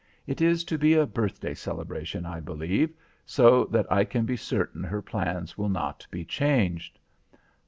It is to be a birthday celebration I believe, so that I can be certain her plans will not be changed.